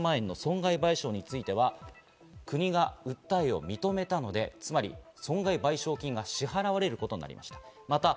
まず１億１０００万円の損害賠償については、国が訴えを認めたので、つまり損害賠償金が支払われることになりました。